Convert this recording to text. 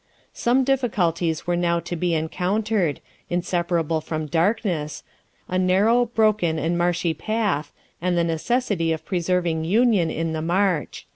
Some difficulties were now to be encountered, inseparable from darkness, a narrow, broken, and marshy path, and the necessity of preserving union in the march.